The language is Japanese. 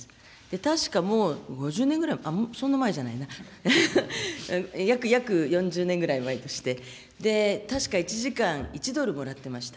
確か、もう５０年ぐらい前、そんな前じゃないな、約４０年ぐらい前として、確か１時間１ドルもらっていました。